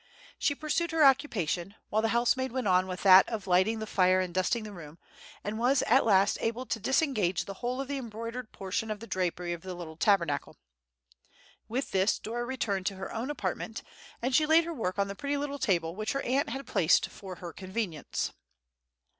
She pursued her occupation, while the housemaid went on with that of lighting the fire and dusting the room, and was at last able to disengage the whole of the embroidered portion of the drapery of the little Tabernacle. With this Dora returned to her own apartment, and she laid her work on the pretty little table which her aunt had placed for her convenience.